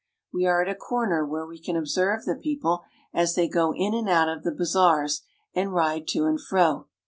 We at a corner where we can observe the people as they n and out of the bazaars and ride to and fro.